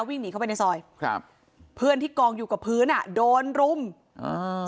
วิ่งหนีเข้าไปในซอยครับเพื่อนที่กองอยู่กับพื้นอ่ะโดนรุมอ่า